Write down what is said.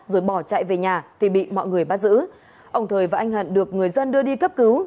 rồi bỏ chạy về nhà thì bị mọi người bắt giữ ông thời và anh hận được người dân đưa đi cấp cứu